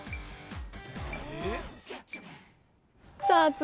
さあ